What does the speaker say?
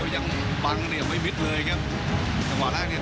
โอ้โหมีแรงชื่นเหมือนกันครับทีมไทย